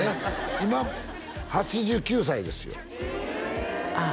今８９歳ですよああ